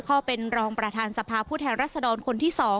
เข้าเป็นรองประธานสภาผู้แทนรัศดรคนที่๒